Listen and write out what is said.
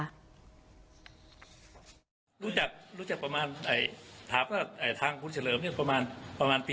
รู้จักประมาณถามถ้าทางพูดเฉลิมนี่ประมาณปี๖๐